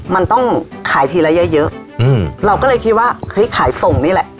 มันต้องขายทีละเยอะเราก็เลยคิดว่าขายส่งนี่แหละ